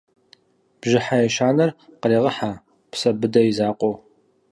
Бжьыхьэ ещанэр къырегъэхьэ Псэбыдэ и закъуэу.